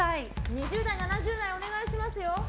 ２０代、７０代お願いしますよ。